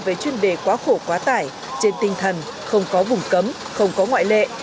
về chuyên đề quá khổ quá tải trên tinh thần không có vùng cấm không có ngoại lệ